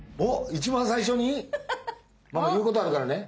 一番最初に⁉ママ言うことあるからね！